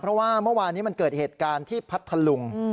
เพราะว่าเมื่อวานนี้มันเกิดเหตุการณ์ที่พัทธลุง